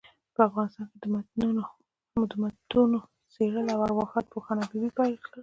په افغانستان کي دمتونو څېړل ارواښاد پوهاند حبیبي پيل کړ.